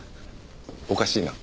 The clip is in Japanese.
おかしいな。